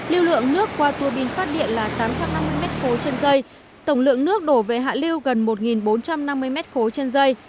lưu lượng nước qua tua bin phát điện là tám trăm năm mươi m ba trên dây tổng lượng nước đổ về hạ lưu gần một bốn trăm năm mươi m ba trên dây